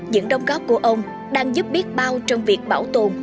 những đồng góp của ông đang giúp biết bao trong việc bảo tồn